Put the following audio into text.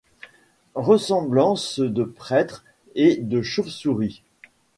Ressemblances de prêtre et de chauve-souris